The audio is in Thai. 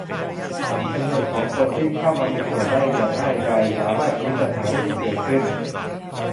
จำนวนของคนที่เข้ามามีส่วนได้อย่างง่ายดายสามารถชี้ปัญหาที่เกิดขึ้น